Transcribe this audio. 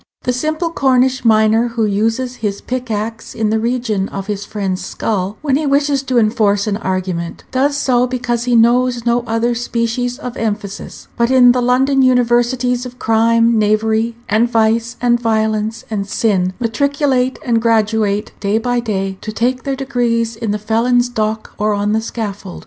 The simple Cornish miner who uses his pickaxe in the region of his friend's skull when he wishes to enforce an argument, does so because he knows no other species of emphasis. But in the London universities of crime, knavery, and vice, and violence, and sin matriculate and graduate day by day, to take their degrees in the felon's dock or on the scaffold.